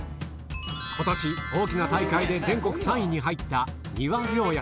今年大きな大会で全国３位に入った丹羽凌也さん